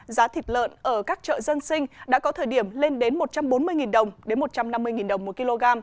giá thịt lợn ở các chợ dân sinh đã có thời điểm lên đến một trăm bốn mươi đồng đến một trăm năm mươi đồng một kg